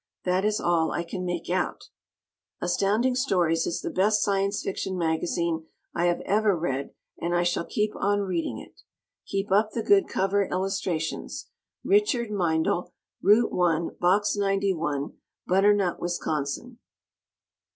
That is all I can make out. Astounding Stories is the best Science Fiction magazine I have ever read, and I shall keep on reading it. Keep up the good cover illustrations. Richard Meindle, R. 1, Box 91, Butternut, Wisconsin.